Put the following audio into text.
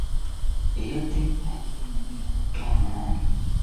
kumbe sio Mzee kwake ni jina na wala sio sifa Nilikutana naye katika mji